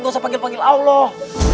gak usah panggil panggil allah